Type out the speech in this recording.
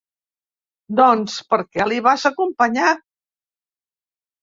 Doncs per què l'hi vas acompanyar?